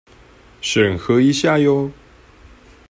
審核一下唷！